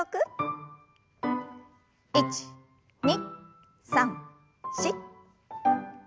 １２３４。